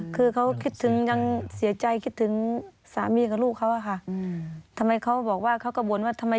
เมื่อกี๊เสียเจ้าหลักมาด้วย